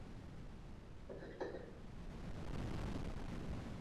Na počátku šedesátých let pracoval ve společnosti Continental Oil Company.